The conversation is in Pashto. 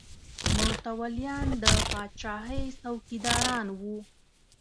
متولیان د پاچاهۍ څوکیداران وو.